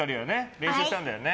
練習してきたんだよね。